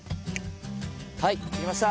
はいできました。